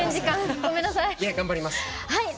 頑張ります。